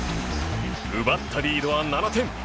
奪ったリードは７点。